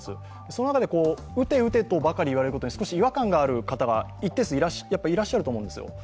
その中で、打て打てとばかり言われることに少し違和感がある方が一定数いらっしゃると思います。